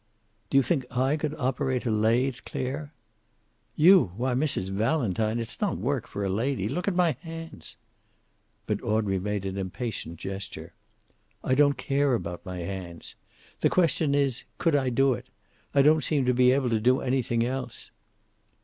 "Do you think I could operate a lathe, Clare?" "You! Why, Mrs. Valentine, it's not work for a lady! Look at my hands." But Audrey made an impatient gesture. "I don't care about my hands. The question is, could I do it? I don't seem able to do anything else."